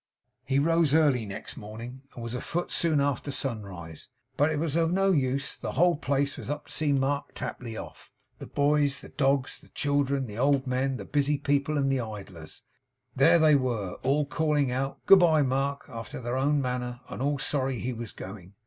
He rose early next morning, and was a foot soon after sunrise. But it was of no use; the whole place was up to see Mark Tapley off; the boys, the dogs, the children, the old men, the busy people and the idlers; there they were, all calling out 'Good b'ye, Mark,' after their own manner, and all sorry he was going.